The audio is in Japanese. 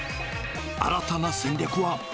新たな戦略は。